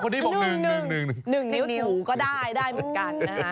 คนนี้บอกหนึ่งหนึ่งนิ้วถูก็ได้เหมือนกันนะคะ